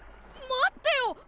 待ってよ